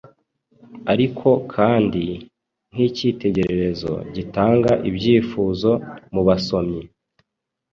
ariko kandi nkicyitegererezo gitanga ibyifuzo mubasomyi.